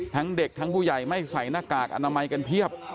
ทั้งเด็กทั้งผู้ใหญ่ไม่ใส่หน้ากากอนามัยกันเพียบ